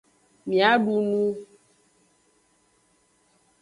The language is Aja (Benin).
Mia du nu.